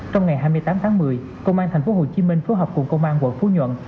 trong ngày hai mươi tám tháng một mươi công an tp hcm phối hợp cùng công an quận phú nhuận